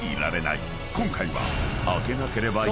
［今回は］